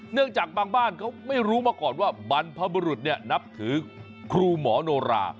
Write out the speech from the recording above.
จากบางบ้านเขาไม่รู้มาก่อนว่าบรรพบุรุษนับถือครูหมอโนรา